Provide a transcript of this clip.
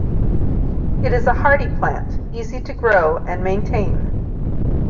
It is a hardy plant, easy to grow and maintain.